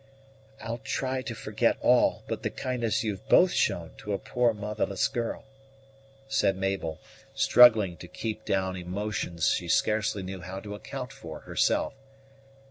"I'll try to forget all, but the kindness you've both shown to a poor motherless girl," said Mabel, struggling to keep down emotions she scarcely knew how to account for herself.